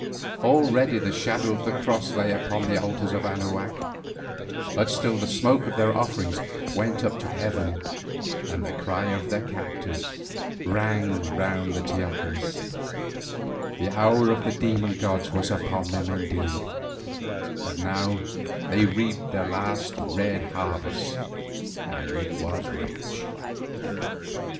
Already the shadow of the Cross lay deep upon the altars of Anahuac, but still the smoke of their offerings went up to heaven and the cry of the captives rang round the teocallis. The hour of the demon gods was upon them indeed, but now they reaped their last red harvest, and it was rich.